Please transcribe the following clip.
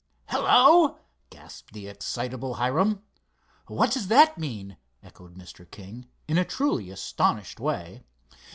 "Hello!" gasped the excitable Hiram. "What does that mean?" echoed Mr. King, in a truly astonished way.